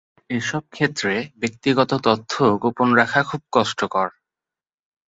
এসব ক্ষেত্রে ব্যক্তিগত তথ্য গোপন রাখা খুব কষ্টকর।